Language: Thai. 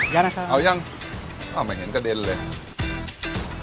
ยังหรอคะยังมันเห็นกระเด็นเลย